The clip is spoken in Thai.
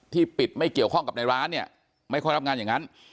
ปิดไม่เกี่ยวข้องกับในร้านเนี่ยไม่ค่อยรับงานอย่างนั้น